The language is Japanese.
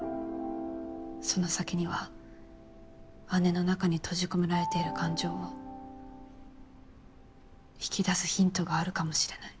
その先には姉の中に閉じ込められている感情を引き出すヒントがあるかもしれない。